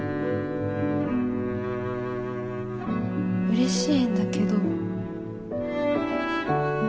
うれしいんだけど。